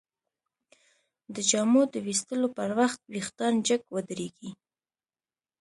د جامو د ویستلو پر وخت وېښتان جګ ودریږي.